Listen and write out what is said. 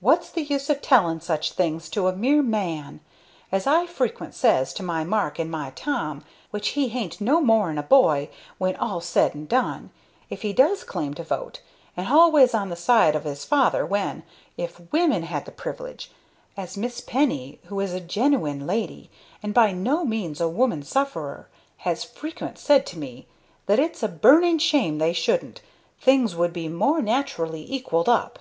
what's the use of telling sich things to a mere man? as I frequent sez to my Mark and my Tom, which he hain't no more'n a boy when all's said and done, if he does claim to vote, and halways on the side of 'is father, when, if wimmen had the privilege as Miss Penny, who is a geniwine lady, and by no means a woman sufferer, has frequent said to me, that it's a burning shame they shouldn't things would be more naturally equalled up.